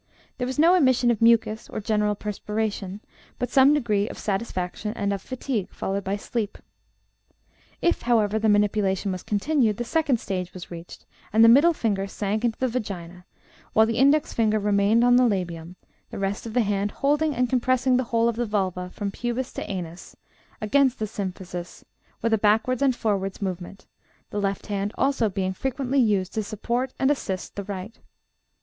There was no emission of mucus, or general perspiration, but some degree of satisfaction and of fatigue, followed by sleep. If, however, the manipulation was continued, the second stage was reached, and the middle finger sank into the vagina, while the index finger remained on the labium, the rest of the hand holding and compressing the whole of the vulva, from pubes to anus, against the symphysis, with a backwards and forwards movement, the left hand also being frequently used to support and assist the right.